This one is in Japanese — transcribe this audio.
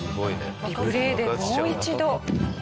リプレーでもう一度。